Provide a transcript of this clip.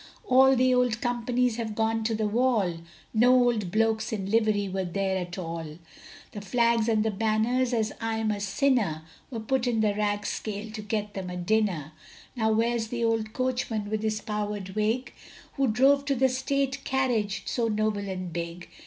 All the old Companies have gone to the wall, No old blokes in livery was there at all; The flags and the banners, as I'm a sinner, Were put in the rag scale to get them a dinner. Now where's the old coachman with his powdered wig? Who drove the state carriage so noble and big?